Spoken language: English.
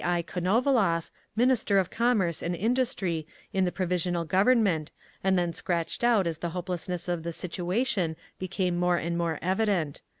I. Konovalov, Minister of Commerce and Industry in he Provisional Government, and then scratched out as the hopelessness of the situation became more and more evident.